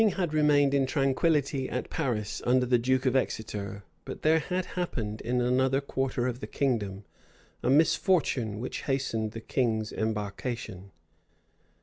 Every thing had remained in tranquillity at Paris under the duke of Exeter but there had happened, in another quarter of the kingdom, a misfortune which hastened the king's embarkation.